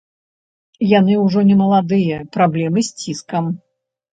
Яны ўжо немаладыя, праблемы з ціскам.